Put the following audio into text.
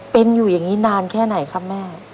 เป็นอยู่อย่างนี้นานแค่ไหนครับแม่